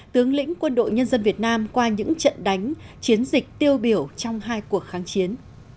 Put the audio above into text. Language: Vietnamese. tướng lĩnh quân đội nhân dân việt nam qua những trận đánh chiến dịch tiêu biểu trong hai cuộc kháng chiến